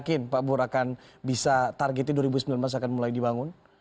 jadi apa yang kita inginkan kita dua ribu sembilan belas akan mulai dibangun